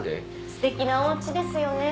すてきなおうちですよね。